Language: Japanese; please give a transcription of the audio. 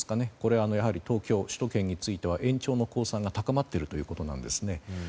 やはり東京、首都圏については延長の公算が高まっているということなんですね。